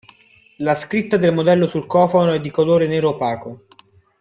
La scritta del modello sul cofano è di colore nero opaco.